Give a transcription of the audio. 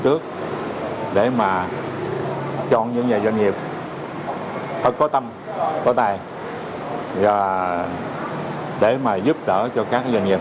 trước để mà chọn những nhà doanh nghiệp thật có tâm có tài và để mà giúp đỡ cho các doanh nghiệp